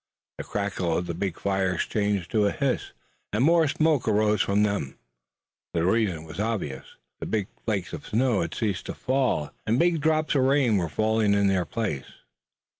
The crackle of the big fires changed to a hiss, and more smoke arose from them. The reason was obvious. The big flakes of snow had ceased to fall, and big drops of rain were falling in their place.